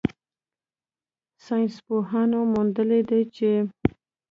ساینسپوهانو موندلې ده چې